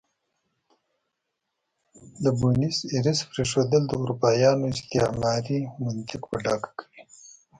د بونیس ایرس پرېښودل د اروپایانو استعماري منطق په ډاګه کوي.